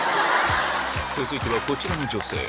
続いてはこちらの女性。